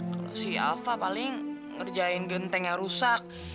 kalau si alpha paling ngerjain genteng yang rusak